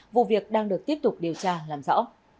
vụ việc đang được tiếp tục điều tra làm rõ